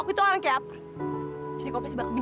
kita gak pernah hidup sama sama